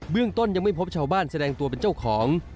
ต้นยังไม่พบชาวบ้านแสดงตัวเป็นเจ้าของ